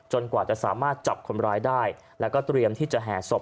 กว่าจะสามารถจับคนร้ายได้แล้วก็เตรียมที่จะแห่ศพ